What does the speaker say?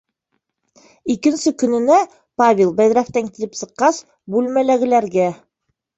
Икенсе көнөнә Павел бәҙрәфтән килеп сыҡҡас, бүлмәләгеләргә: